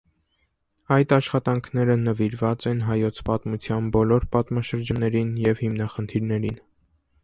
Այդ աշխատանքները նվիրված են հայոց պատմության բոլոր պատմաշրջաններին և հիմնախնդիրներին։